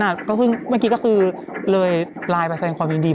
ืิ่งแม่งคิดก็คือเลยไลน์แสดนความยินดี